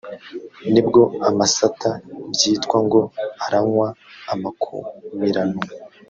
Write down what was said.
nibwo amasata byitwa ngo “aranywa amakumirano “